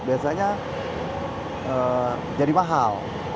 biasanya jadi mahal